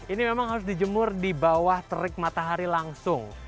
ini memang harus dijemur di bawah terik matahari langsung